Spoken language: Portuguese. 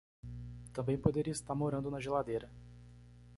Também poderia estar morando na geladeira.